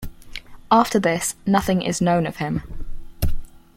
After this nothing is known of him.